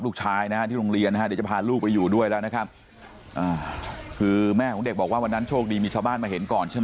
ถึงที่สุดเลยค่ะพี่ไทยค่ะเพราะว่าชีวิตละกด้วยชีวิต